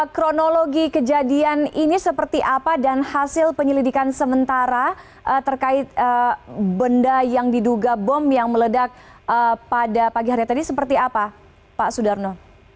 kronologi kejadian ini seperti apa dan hasil penyelidikan sementara terkait benda yang diduga bom yang meledak pada pagi hari tadi seperti apa pak sudarno